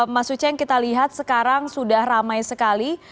mas uceng kita lihat sekarang sudah ramai sekali